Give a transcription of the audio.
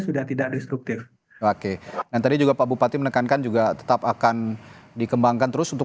sudah tidak destruktif oke yang tadi juga pak bupati menekankan juga tetap akan dikembangkan terus untuk